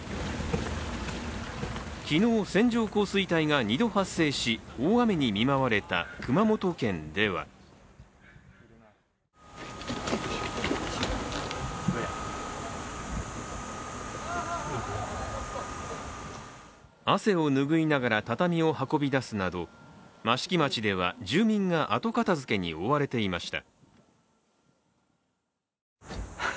昨日、線状降水帯が２度発生し大雨に見舞われた熊本県では汗を拭いながら畳を運び出すなど益城町では住民が後片づけに追われていました。